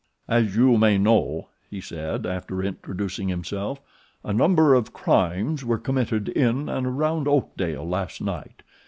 "As you may know," he said, after introducing himself, "a number of crimes were committed in and around Oakdale last night.